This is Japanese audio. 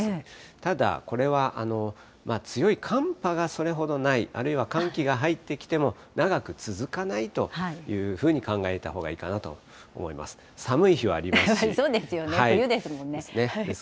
ただ、これは強い寒波がそれほどない、あるいは寒気が入ってきても長く続かないというふうに考えたほうがいいかなと思います。